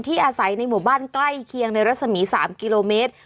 อาศัยในหมู่บ้านใกล้เคียงในรัศมี๓กิโลเมตร